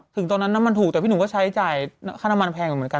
ถึงตอนนั้นน้ำมันถูกแต่พี่หนุ่มก็ใช้จ่ายค่าน้ำลังมากแบบนี้เหมือนกัน